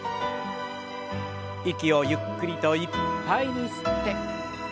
息をゆっくりといっぱいに吸って。